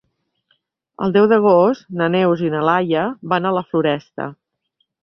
El deu d'agost na Neus i na Laia van a la Floresta.